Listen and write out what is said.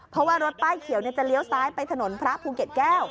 เพราะว่ารถป้ายเขียวจะเลี้ยวซ้ายไปถนนพระภูเก็ตแก้ว